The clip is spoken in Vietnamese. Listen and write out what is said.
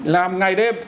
làm ngày đêm